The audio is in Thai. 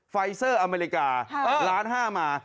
ไฟเซอร์อเมริกาล้านห้ามา